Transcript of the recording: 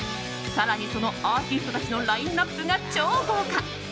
更にそのアーティストたちのラインアップが超豪華。